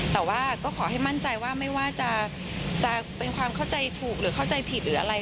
แต่ว่าก็ขอให้มั่นใจว่าไม่ว่าจะเป็นความเข้าใจถูกหรือเข้าใจผิดหรืออะไร